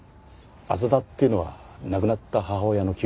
朝田っていうのは亡くなった母親の旧姓でな。